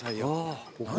何？